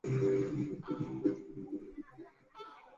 流域内易发生水旱灾害。